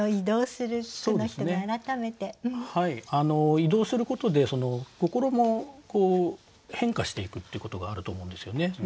移動することで心も変化していくっていうことがあると思うんですよね。